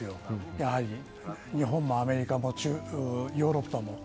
やはり、日本もアメリカもヨーロッパも。